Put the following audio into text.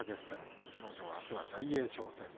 逸ノ城は、あす大栄翔戦。